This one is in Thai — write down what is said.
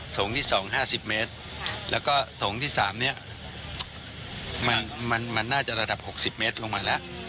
สูงที่๒๕๐เมตรแล้วก็ถงที่๓นี้มันน่าจะระดับ๖๐เมตรลงมาแล้ว